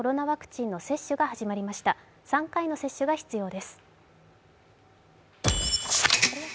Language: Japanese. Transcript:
３回の接種が必要です。